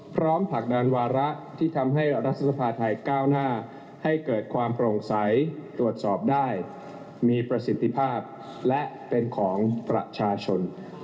ผลักดันวาระที่ทำให้รัฐสภาไทยก้าวหน้าให้เกิดความโปร่งใสตรวจสอบได้มีประสิทธิภาพและเป็นของประชาชน